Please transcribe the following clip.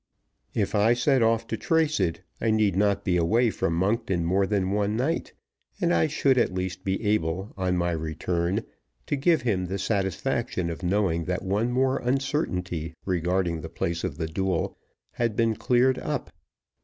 If I set off to trace it, I need not be away from Monkton more than one night, and I should at least be able, on my return, to give him the satisfaction of knowing that one more uncertainty regarding the place of the duel had been cleared up.